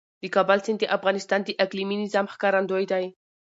د کابل سیند د افغانستان د اقلیمي نظام ښکارندوی دی.